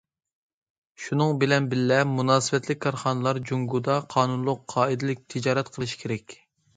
شۇنىڭ بىلەن بىللە، مۇناسىۋەتلىك كارخانىلار جۇڭگودا قانۇنلۇق، قائىدىلىك تىجارەت قىلىشى كېرەك.